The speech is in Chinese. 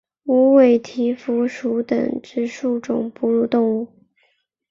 无尾蹄蝠属等之数种哺乳动物。